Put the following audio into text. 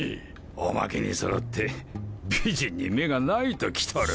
おまけにそろって美人に目がないと来とる。